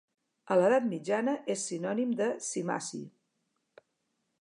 A l'edat mitjana és sinònim de cimaci.